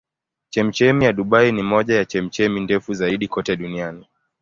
Chemchemi ya Dubai ni moja ya chemchemi ndefu zaidi kote duniani.